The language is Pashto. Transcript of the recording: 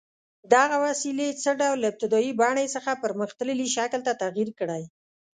دغې وسیلې څه ډول له ابتدايي بڼې څخه پرمختللي شکل ته تغییر کړی؟